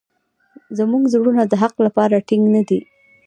زموږ زړونه د حق لپاره ټینګ نه دي.